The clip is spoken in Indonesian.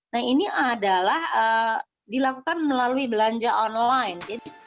nah ini adalah dilakukan melalui belanja online